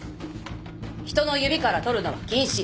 人の指から採るのは禁止。